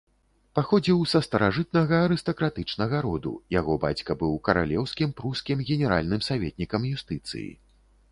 Паходзіў са старажытнага арыстакратычнага роду, яго бацька быў каралеўскім прускім генеральным саветнікам юстыцыі.